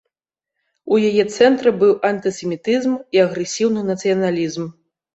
У яе цэнтры быў антысемітызм і агрэсіўны нацыяналізм.